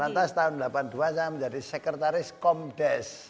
lantas tahun delapan puluh dua saya menjadi sekretaris komdes